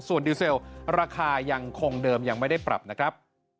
ส่วนดีเซลราคายังคงเดิมยังไม่ได้ปรับนะครับ